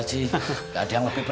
kasur bulat banget pakcik